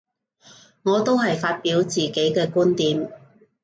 我都係發表自己嘅觀點